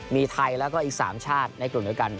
มีไทยแล้วก็อีก๓ชาติในกลุ่มเดียวกัน